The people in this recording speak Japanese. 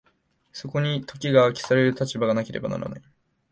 そこに時が消される立場がなければならない。